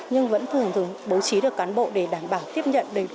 nhưng vẫn thường thường bố trí được cán bộ để đảm bảo tiếp nhận